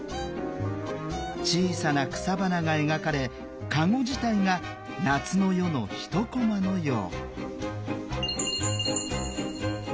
小さな草花が描かれかご自体が夏の夜の一コマのよう。